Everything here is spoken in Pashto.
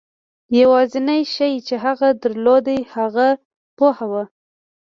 یوازېنی شی چې هغه درلود د هغه پوهه وه.